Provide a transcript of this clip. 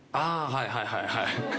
はいはいはいはい。